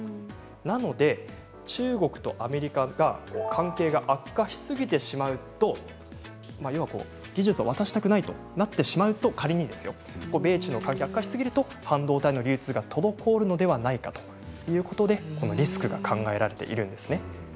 なので中国とアメリカが関係が悪化しすぎてしまうと技術を渡したくないとなってしまうと仮に米中の関係が悪化しすぎると半導体の流通が滞るのではないかということでリスクが考えられているんですね。